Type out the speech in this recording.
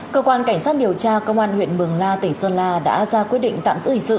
cơ quan cảnh sát điều tra công an huyện mường la tỉnh sơn la đã ra quyết định tạm giữ hình sự